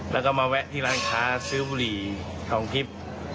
แล้วก็มาแวะที่ร้านค้าซื้อบุหรี่ทองทิพย์